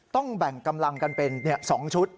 ต้องแบ่งกำลังกันเป็น๒ชุด